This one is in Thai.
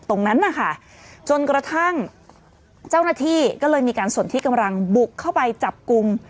ตรงนั้นนะคะจนกระทั่งเจ้าหน้าที่ก็เลยมีการสนที่กำลังบุกเข้าไปจับกลุ่ม